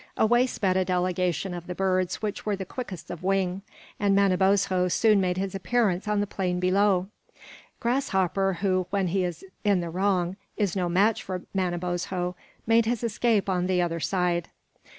Away sped a delegation of the birds which were the quickest of wing, and Manabozho soon made his appearance on the plain below. Grasshopper, who, when he is in the wrong, is no match for Manabozho, made his escape on the other side.